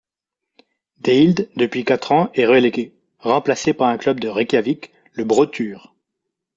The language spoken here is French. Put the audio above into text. Deild depuis quatre ans, est relégué, remplacé par un club de Reykjavik, le þrottur.